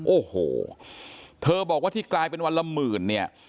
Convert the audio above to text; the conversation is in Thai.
โอ้โหเธอบอกว่าที่กลายเป็นวันละหมื่นเนี่ย